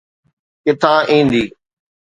ڪٿان ايندي؟